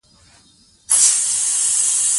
د دفتر چارې په امانتدارۍ ترسره کړئ.